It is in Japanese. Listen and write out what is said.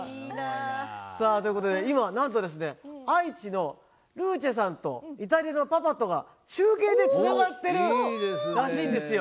さあということで今なんとですね愛知のルーチェさんとイタリアのパパとが中継でつながってるらしいんですよ。